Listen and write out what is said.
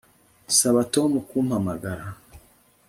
Saba Tom kumpamagara